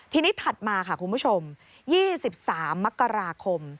ทีนี้ถัดมาค่ะคุณผู้ชม๒๓มกราคม